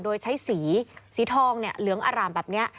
โดยใช้สีสีทองเหลืองอร่ามแบบนี้